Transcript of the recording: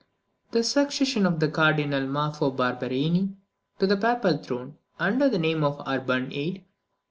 _ The succession of the Cardinal Maffeo Barberini to the papal throne, under the name of Urban VIII.